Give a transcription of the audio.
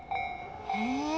へえ。